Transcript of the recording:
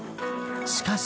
しかし。